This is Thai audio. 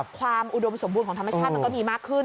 ความอุดมสมบูรณ์ของธรรมชาติมันก็มีมากขึ้น